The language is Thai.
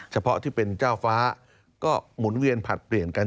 เฉพาะที่เป็นเจ้าฟ้าก็หมุนเวียนผลัดเปลี่ยนกัน